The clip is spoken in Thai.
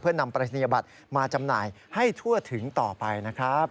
เพื่อนำปริศนียบัตรมาจำหน่ายให้ทั่วถึงต่อไปนะครับ